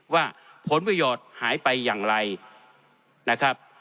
ว่าผลประโยชน์หายไปอย่างไรนะครับ